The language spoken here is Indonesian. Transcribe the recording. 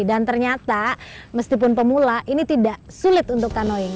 dan ternyata meskipun pemula ini tidak sulit untuk canoeing